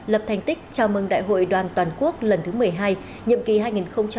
lập thành tích chào mừng đại hội đoàn toàn quốc lần thứ một mươi hai nhiệm kỳ hai nghìn hai mươi hai nghìn hai mươi sáu